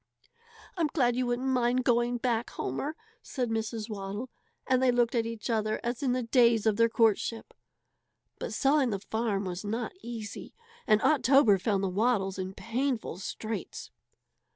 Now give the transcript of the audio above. "I'm glad you wouldn't mind going back, Homer," said Mrs. Waddle, and they looked at each other as in the days of their courtship. But selling the farm was not easy, and October found the Waddles in painful straits.